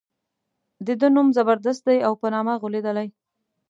د ده نوم زبردست دی او په نامه غولېدلی.